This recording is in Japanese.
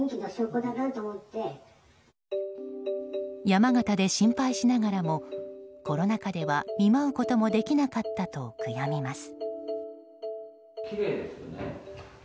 山形で心配しながらもコロナ禍では見舞うこともできなかったと悔やみます。